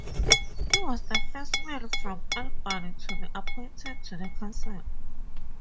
He was the first man from Albany to be appointed to the council.